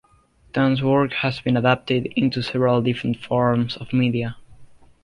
Tan's work has been adapted into several different forms of media.